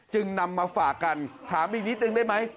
จึงนำมาฝากกันถามอีกนิดนึงได้ไหม